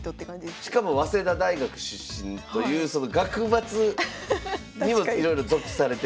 しかも早稲田大学出身という学閥にもいろいろ属されてて。